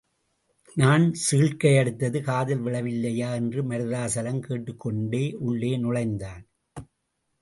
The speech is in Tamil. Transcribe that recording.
நான் சீழ்க்கையடித்தது காதில் விழவில்லையா? என்று மருதாசலம் கேட்டுக்கொண்டே உள்ளே நுழைந்தான்.